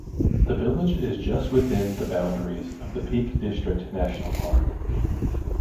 The village is just within the boundaries of the Peak District National Park.